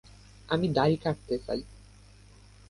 আমি দাড়ি কাটতে চাই।